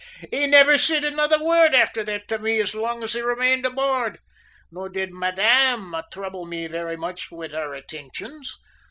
He nivver s'id another word afther that to me as long as he remained aboard, nor did Madame trouble me very much more wid her attenshions.